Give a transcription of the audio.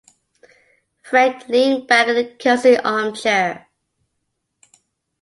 Frank leaned back in a cozy armchair.